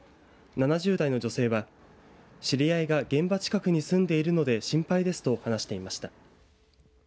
７０代の女性は知り合いが現場近くに住んでいるので心配ですと話していました。